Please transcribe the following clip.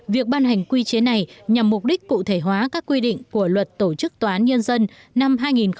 việc ban hành quy chế này nhằm mục đích cụ thể hóa các quy định của luật tổ chức tòa án nhân dân năm hai nghìn một mươi bốn